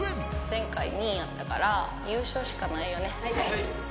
前回２位やったから、優勝しはい。